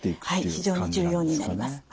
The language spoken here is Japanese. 非常に重要になります。